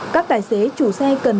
các tài xế chủ xe cần